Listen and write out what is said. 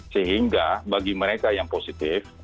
sehingga bagi mereka yang positif